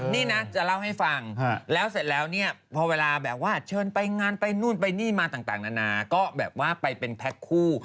นี่นะจะเล่าให้ฟังแล้วเสร็จแล้วเนี่ยพอเวลาแบบว่าเชิญไปงานไปนู่นไปนี่มาต่างนานาก็แบบว่าไปเป็นแพ็คคู่